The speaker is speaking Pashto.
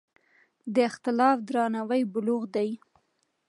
د اختلاف درناوی بلوغ دی